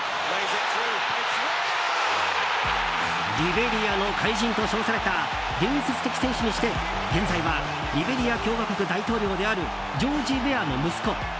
リベリアの怪人と称された伝説的選手にして現在はリベリア共和国大統領であるジョージ・ウェアの息子